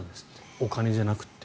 お金じゃなくて。